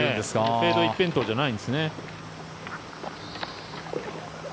フェード一辺倒じゃないんですね。